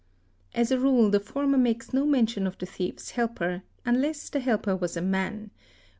g As a rule the former makes no mention of the thief's helper, unless the helper was a man; when.